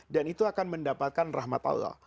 itu akan mendapatkan rahmat allah